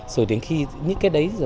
rồi đến khi những cái đấy